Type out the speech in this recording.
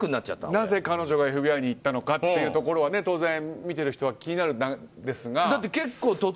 なぜ、彼女がＦＢＩに行ったのかというところは当然、見ている人は気になるんですが。